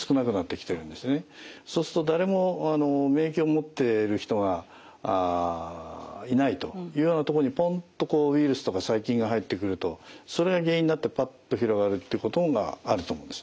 そうすると誰も免疫を持ってる人がいないというようなところにポンッとこうウイルスとか細菌が入ってくるとそれが原因になってパッと広がるってことがあると思うんです。